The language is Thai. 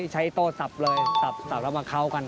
ใช้โต้สับเลยสับแล้วมาเคาะกัน